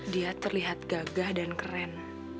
dia terlihat gagah dan keren